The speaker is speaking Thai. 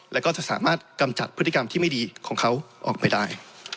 แล้วก็จะสามารถกำจัดพฤติกรรมที่ไม่ดีของเขาออกไปได้